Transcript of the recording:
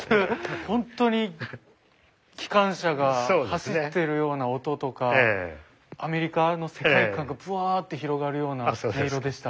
ホントに機関車が走っているような音とかアメリカの世界観がブワーッて広がるような音色でした。